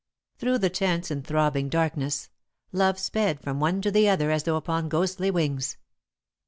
Through the tense and throbbing darkness, love sped from one to the other as though upon ghostly wings.